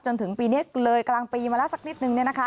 จนถึงปีนี้เลยกลางปีมาแล้วสักนิดนึง